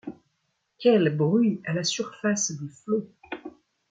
Quel bruit à la surface des flots !